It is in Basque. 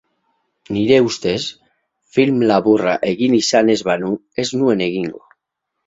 Nire ustez, film laburra egin izan ez banu, ez nuen egingo.